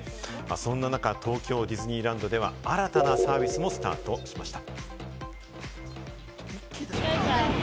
そんな中、東京ディズニーランドでは新たなサービスもスタートしました。